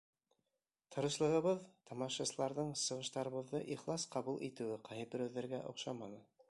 Тырышлығыбыҙ, тамашасыларҙың сығыштарыбыҙҙы ихлас ҡабул итеүе ҡайһы берәүҙәргә оҡшаманы.